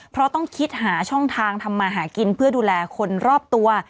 เพราะต้องคิดหาช่องทางทำมาหากินเพื่อดูแลคนรอบตัว